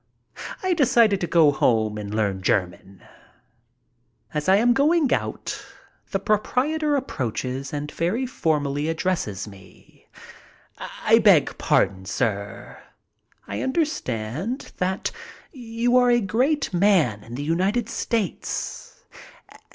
I decided to go home and learn German. As I am going out the proprietor approaches and very formally addresses me: "I beg pardon, sir. I understand that you are a great man in the United States.